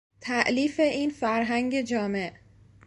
تالیف این فرهنگ جامع